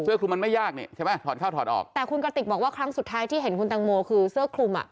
คลุมมันไม่ยากนี่ใช่ไหมถอดเข้าถอดออกแต่คุณกติกบอกว่าครั้งสุดท้ายที่เห็นคุณตังโมคือเสื้อคลุมอ่ะ